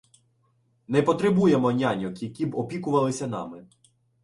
Не потребуємо "няньок", які б опікувалися нами.